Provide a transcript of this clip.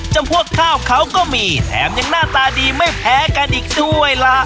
พวกข้าวเขาก็มีแถมยังหน้าตาดีไม่แพ้กันอีกด้วยล่ะ